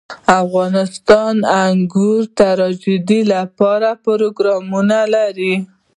افغانستان د انګور د ترویج لپاره پروګرامونه لري.